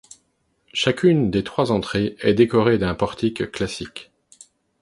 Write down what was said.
Chacune des trois entrées est décorée d'un portique classique.